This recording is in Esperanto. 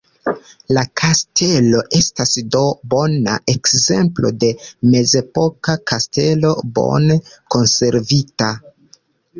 La kastelo estas do bona ekzemplo de mezepoka kastelo bone konservita.